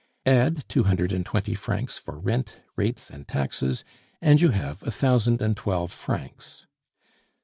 Add two hundred and twenty francs for rent, rates, and taxes, and you have a thousand and twelve francs.